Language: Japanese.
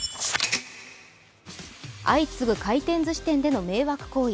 相次ぐ回転ずし店での迷惑行為。